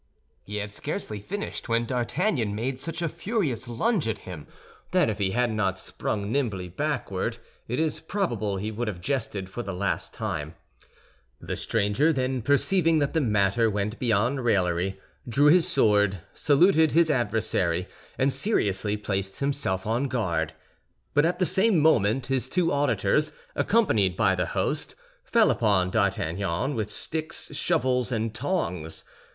He had scarcely finished, when D'Artagnan made such a furious lunge at him that if he had not sprung nimbly backward, it is probable he would have jested for the last time. The stranger, then perceiving that the matter went beyond raillery, drew his sword, saluted his adversary, and seriously placed himself on guard. But at the same moment, his two auditors, accompanied by the host, fell upon D'Artagnan with sticks, shovels and tongs.